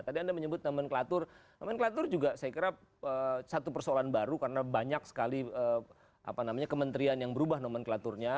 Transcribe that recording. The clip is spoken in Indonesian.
tadi anda menyebut nomenklatur nomenklatur juga saya kira satu persoalan baru karena banyak sekali kementerian yang berubah nomenklaturnya